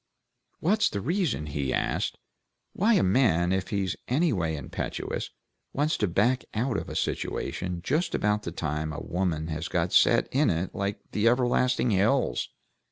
What's the reason," he asked, "why a man, if he's any way impetuous, wants to back out of a situation just about the time a woman has got set in it like the everlasting hills?